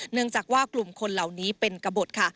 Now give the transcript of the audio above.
เนื่องจากว่ากลุ่มคนเหล่านี้เป็นกระบดค่ะ